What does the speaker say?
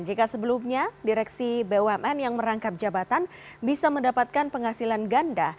jika sebelumnya direksi bumn yang merangkap jabatan bisa mendapatkan penghasilan ganda